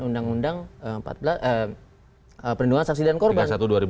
undang undang perlindungan saksi dan korban